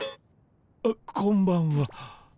あこんばんは。